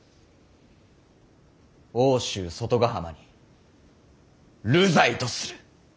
奥州外ヶ浜に流罪とする。